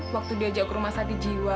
waktu diajak ke rumah sakit jiwa